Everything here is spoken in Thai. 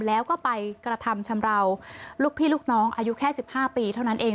แล้วก็ไปกระทำชำราวลูกพี่ลูกน้องอายุแค่๑๕ปีเท่านั้นเอง